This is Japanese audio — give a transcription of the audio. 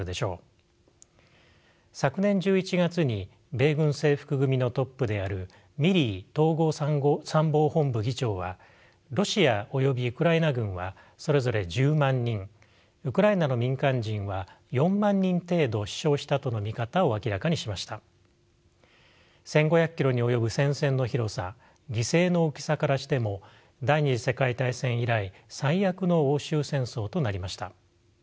昨年１１月に米軍制服組のトップであるミリー統合参謀本部議長は１，５００キロに及ぶ戦線の広さ犠牲の大きさからしても第２次世界大戦以来最悪の欧州戦争となりました。